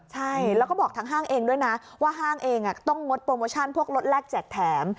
ใช่แล้วก็บอกทางห้างเองด้วยนะว่าห้างเองต้องงดโปรโมชั่นพวกรถแรกแจกแถม